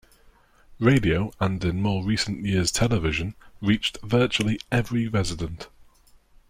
Radio, and in more recent years television, reached virtually every resident.